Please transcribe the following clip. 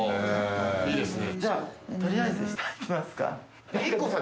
いいですね。